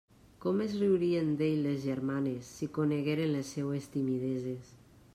Com es riurien d'ell les germanes si conegueren les seues timideses!